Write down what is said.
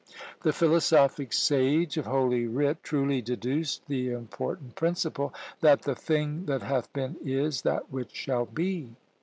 The philosophic sage of holy writ truly deduced the important principle, that "the thing that hath been is that which shall be."